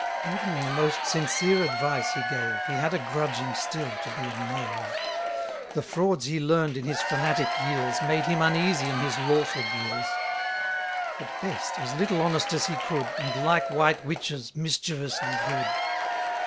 Even in the most sincere advice he gave, He had a grudging still to be a knave. The frauds he learn'd in his fanatic years Made him uneasy in his lawful gears; 60 At best, as little honest as he could, And, like white witches, mischievously good.